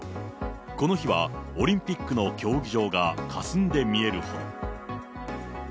この日はオリンピックの競技場がかすんで見えるほど。